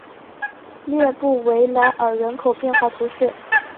列布维莱尔人口变化图示